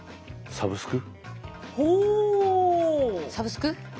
サブスク？